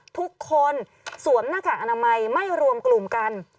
ทุกคนสวมหน้ากากอนามัยไม่รวมกลุ่มกัน